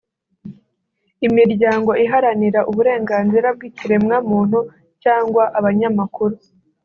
imiryango iharanira uburenganzira bw’ikiremwa muntu cyangwa abanyamakuru